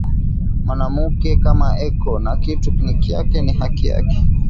Mwanamuke kama eko nakitu nikyake ni haki yake